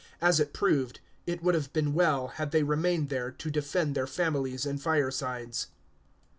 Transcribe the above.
As it proved, it would have been well, had they remained there to defend their families and firesides.